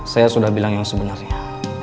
saya sudah bilang yang sebenarnya